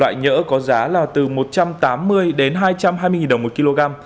râu nhỡ có giá là từ một trăm tám mươi hai trăm hai mươi đồng một kg